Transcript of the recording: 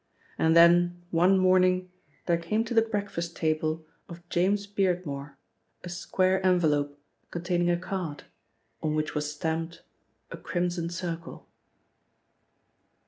And then one morning there came to the breakfast table of James Beardmore, a square envelope containing a card, on which was stamped a Crimson Circle.